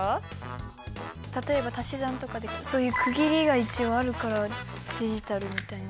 例えば足し算とかでそういう区切りが一応あるからデジタルみたいな。